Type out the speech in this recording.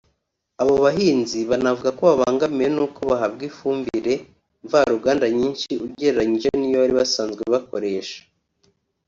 Aba bahinzi banavuga ko babangamiwe n’uko bahabwa ifumbire mva ruganda nyinshi ugereranyije n’iyo bari basanzwe bakoresha